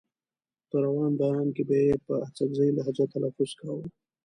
په روان بيان کې به يې په اڅکزۍ لهجه تلفظ کاوه.